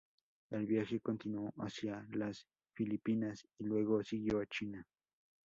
El viaje continuó hacia las Filipinas y luego siguió a China.